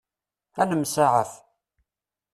Ad nemsaɛaf.